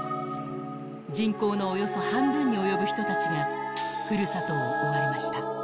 人口のおよそ半分に及ぶ人たちが、ふるさとを追われました。